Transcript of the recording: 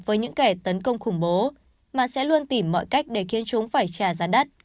với những kẻ tấn công khủng bố mà sẽ luôn tìm mọi cách để khiến chúng phải trả giá đất